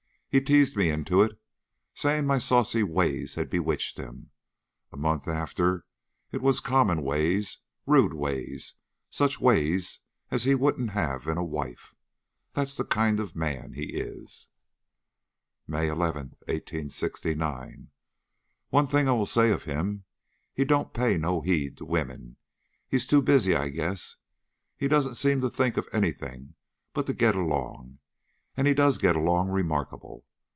He teased me into it, saying my saucy ways had bewitched him. A month after, it was common ways, rude ways, such ways as he wouldn't have in a wife. That's the kind of man he is." "MAY 11, 1869. One thing I will say of him. He don't pay no heed to women. He's too busy, I guess. He don't seem to think of any thing but to get along, and he does get along remarkable.